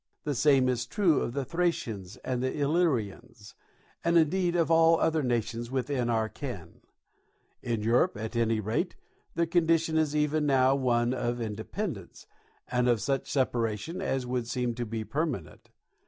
The same is true of the Thracians and the Illyrians, and indeed of all other nations within our ken; in Europe, at any rate, their condition is even now one of independence, and of such separation as would seem to be permanent.